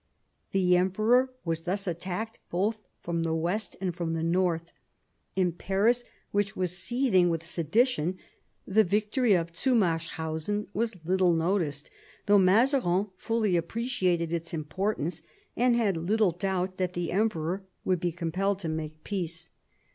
The Emperor was thus attacked both from the west and from the north. In Paris, which was seething with sedition, the victory of Zusmarshausen was little noticed, though Mazarin fully appreciated its importance, and had little doubt that the Emperor would be compelled to make peace.